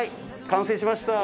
完成しました！